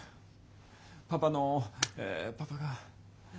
パパのえパパが。